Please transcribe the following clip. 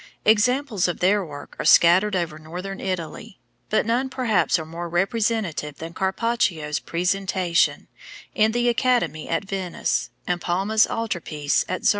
Examples of their work are scattered over Northern Italy, but none perhaps are more representative than Carpaccio's Presentation, in the Academy at Venice, and Palma's altar piece at Zerman.